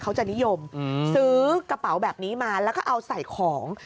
เขาจะนิยมซื้อกระเป๋าแบบนี้มาแล้วก็เอาใส่ของ